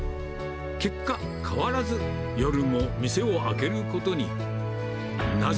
結果、変わらず、夜も店を開けることに。